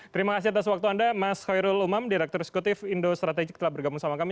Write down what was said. terima kasih atas waktu anda mas khairul umam direktur eksekutif indo strategik telah bergabung sama kami